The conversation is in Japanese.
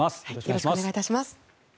よろしくお願いします。